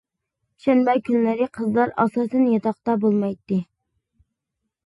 شەنبە كۈنلىرى قىزلار ئاساسەن ياتاقتا بولمايتتى.